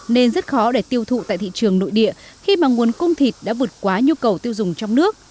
nên rất khó để tiêu thụ tại thị trường nội địa khi mà nguồn cung thịt đã vượt quá nhu cầu tiêu dùng trong nước